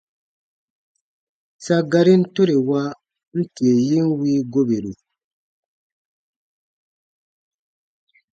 Sa garin tore wa, n tie yin wii goberu.